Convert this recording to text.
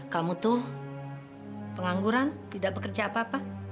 kamu tuh pengangguran tidak bekerja apa apa